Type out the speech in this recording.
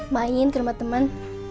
main ke rumah teman